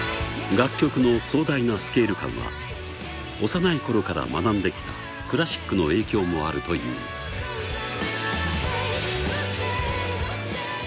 楽曲の壮大なスケール感は幼い頃から学んできたクラシックの影響もあるという「Ｗｈｏｓａｙｓ？Ｉｓａｙ！」